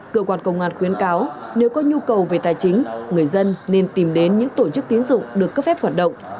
cơ quan công an khuyến cáo nếu có nhu cầu về tài chính người dân nên tìm đến những tổ chức tiến dụng được cấp phép hoạt động